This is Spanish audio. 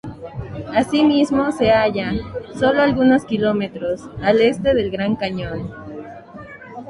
Asimismo se halla, solo algunos kilómetros, al este del Gran Cañón.